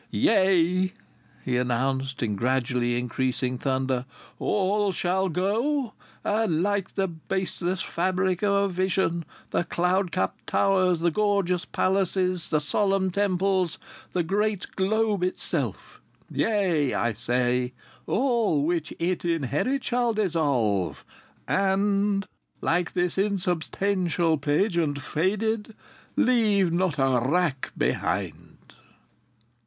"Yea," he announced, in gradually increasing thunder, "all shall go. And loike the baseless fabric o' a vision, the cloud capped towers, the gorgeous palaces, the solemn temples, the great globe itself Yea, I say, all which it inherit shall dissolve, and, like this insubstantial payjent faded, leave not a rack behind."